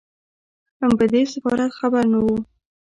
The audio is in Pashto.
هم په دې سفارت خبر نه وو.